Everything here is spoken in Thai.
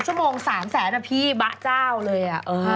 ๒ชั่วโมงแพ้สามแสนอะพี่นายแม่งเลย